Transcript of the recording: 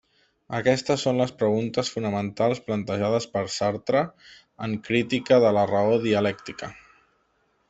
Aquestes són les preguntes fonamentals plantejades per Sartre en Crítica de la raó dialèctica.